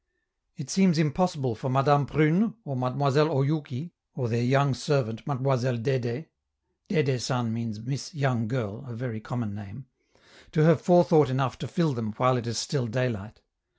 It seems impossible for Madame Prune, or Mademoiselle Oyouki, or their young servant, Mademoiselle Dede, [Dede San means "Miss Young Girl," a very common name.] to have forethought enough to fill them while it is still daylight.